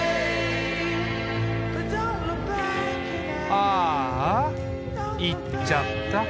ああ行っちゃった。